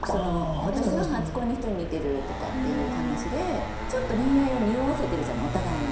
私の初恋の人に似てるとかっていう話でちょっと恋愛をにおわせてるじゃないお互いに。